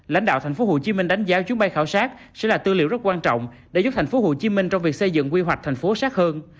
lãnh đạo tp hcm đánh giá chuyến bay khảo sát sẽ là tư liệu rất quan trọng để giúp tp hcm trong việc xây dựng quy hoạch thành phố sát hơn